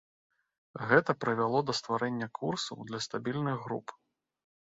Гэта прывяло да стварэння курсаў для стабільных груп.